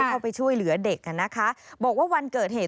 เข้าไปช่วยเหลือเด็กอ่ะนะคะบอกว่าวันเกิดเหตุ